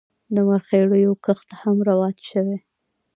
د مرخیړیو کښت هم رواج شوی.